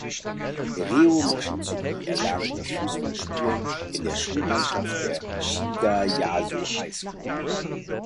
Reo Mochizuki erlernte das Fußballspielen in der Schulmannschaft der "Shiga Yasu High School".